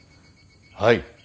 はい。